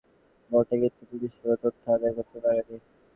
তাঁর বিরুদ্ধে একটা মামলা আছে বটে, কিন্তু পুলিশ কোনো তথ্য আদায় করতে পারেনি।